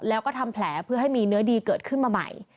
แล้วก็ทำแผลเพื่อให้มีเนื้อดีเกิดขึ้นมาใหม่